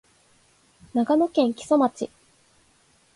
長野県木曽町